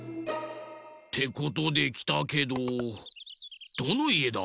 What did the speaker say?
てことできたけどどのいえだ？